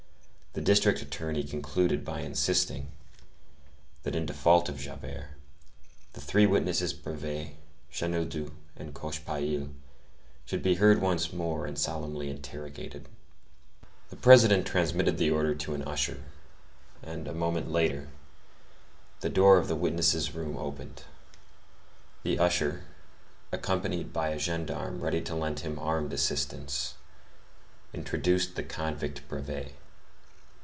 The district attorney concluded by insisting, that in default of Javert, the three witnesses Brevet, Chenildieu, and Cochepaille should be heard once more and solemnly interrogated. The President transmitted the order to an usher, and, a moment later, the door of the witnesses' room opened. The usher, accompanied by a gendarme ready to lend him armed assistance, introduced the convict Brevet.